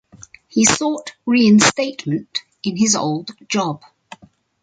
He sought reinstatement in his old job.